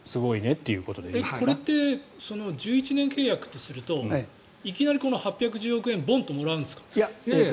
これ、１１年契約とするといきなりこの８１０億円をボンともらうんですか？